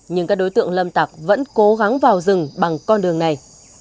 nhưng các đối tượng lâm tặc vẫn cố gắng vào rừng bằng con đường này